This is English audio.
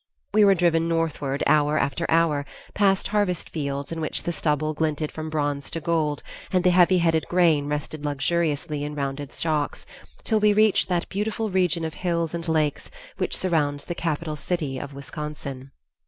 We were driven northward hour after hour, past harvest fields in which the stubble glinted from bronze to gold and the heavy headed grain rested luxuriously in rounded shocks, until we reached that beautiful region of hills and lakes which surrounds the capital city of Wisconsin.